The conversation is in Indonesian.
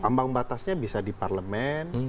ambang batasnya bisa di parlemen